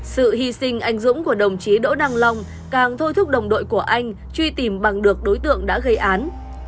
sự hy sinh anh dũng của đồng chí đỗ đăng long càng thôi thúc đồng đội của anh truy tìm bằng được đối tượng đã gây án